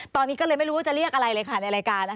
ตอนนี้ก็เลยไม่รู้ว่าจะเรียกอะไรเลยค่ะในรายการ